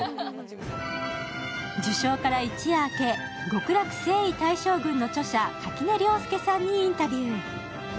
受賞から一夜明け「極楽征夷大将軍」の著者、垣根凉介さんにインタビュー。